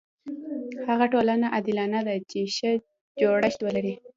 هغه ټولنه عادلانه ده چې ښه جوړښت ولري.